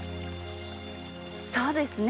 そうですね